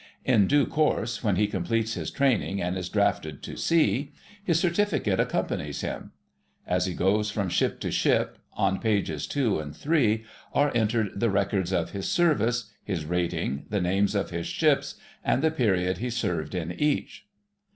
In due course, when he completes his training and is drafted to sea, his Certificate accompanies him. As he goes from ship to ship, on pages 2 and 3 are entered the records of his service, his rating, the names of his ships, and the period he served in each.